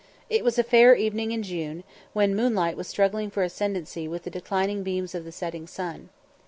It was a fair evening in June, when moonlight was struggling for ascendancy with the declining beams of the setting sun.